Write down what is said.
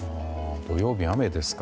土曜日、雨ですか。